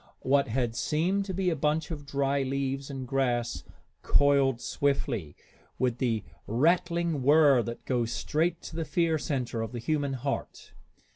What had seemed to be a bunch of dry leaves and grass coiled swiftly, with the rattling whir that goes straight to the fear center of the human heart.